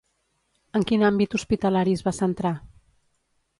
En quin àmbit hospitalari es va centrar?